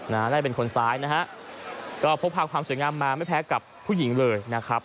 น่าจะเป็นคนซ้ายนะฮะก็พกพาความสวยงามมาไม่แพ้กับผู้หญิงเลยนะครับ